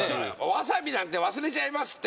わさびなんて忘れちゃいますって